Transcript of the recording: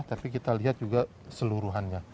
tapi kita lihat juga seluruhannya